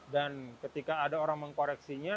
dan ketika ada orang mengkoreksinya